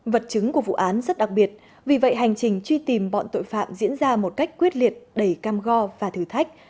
vật chứng của vụ án rất đặc biệt vì vậy hành trình truy tìm bọn tội phạm diễn ra một cách quyết liệt đầy cam go và thử thách